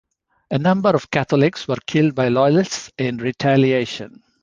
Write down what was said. A number of Catholics were killed by loyalists in retaliation.